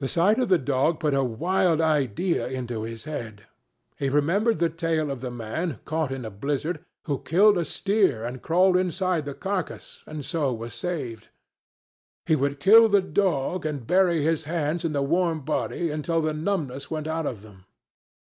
The sight of the dog put a wild idea into his head. He remembered the tale of the man, caught in a blizzard, who killed a steer and crawled inside the carcass, and so was saved. He would kill the dog and bury his hands in the warm body until the numbness went out of them.